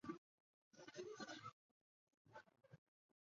这引致后来伊阿宋乘阿格号之历险。